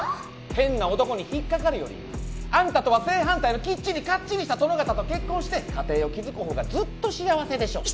変な男に引っかかるよりあんたとは正反対のきっちりかっちりした殿方と結婚して家庭を築くほうがずっと幸せでしょうに。